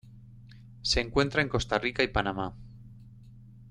Se encuentra en Costa Rica y Panamá.